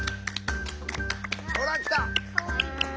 ほら来た！